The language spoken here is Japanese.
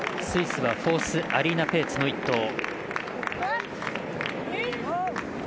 スイスはフォースアリーナ・ペーツの１投。